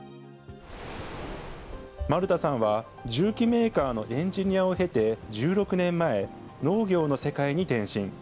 丸田さんは重機メーカーのエンジニアを経て、１６年前、農業の世界に転身。